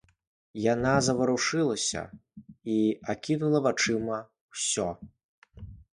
Яна заварушылася і акінула вачыма ўсё.